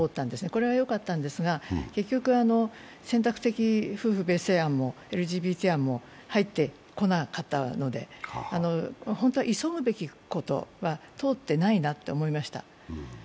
これはよかったんですが、結局選択的夫婦別姓案もＬＧＢＴ案も入ってこなかったので本当は急ぐべきことは通っていないなと思いました。